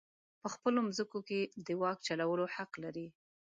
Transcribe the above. په خپلو مځکو کې د واک چلولو حق لري.